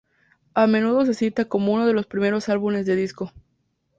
A menudo se cita como uno de los primeros álbumes de disco.